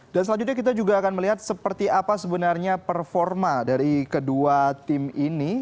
dan selanjutnya kita juga akan melihat seperti apa sebenarnya performa dari kedua tim ini